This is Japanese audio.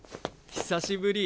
久しぶり。